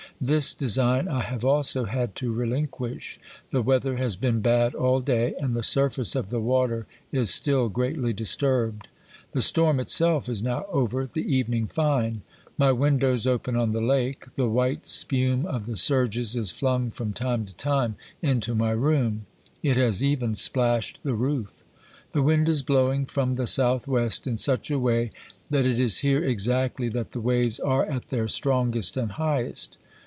This design I have also had to relinquish ; the weather has been bad all day, and the surface of the water is still greatly disturbed. The storm itself is now over, the evening fine. My windows open on the lake ; the white spume of the surges is flung from time to time into my room ; it has even splashed the roof The wind is blowing from the south west, in such a way that it is here exactly that the waves are at their strongest and highest.